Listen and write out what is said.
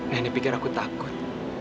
nenek pikir aku takut